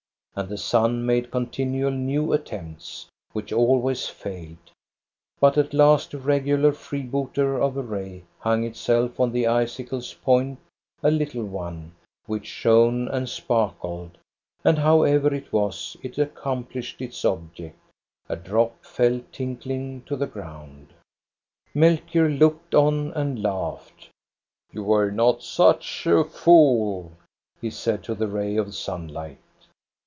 And the sun made continual new attempts, which always failed. But at last a regular freebooter of a ray hung itself on the icicle's point, a little one, which shone and sparkled; and however it was, it accomplished its object, — a drop fell tinkling to the ground. Melchior looked on and laughed. " You were not such a fool," he said to the ray of sunlight.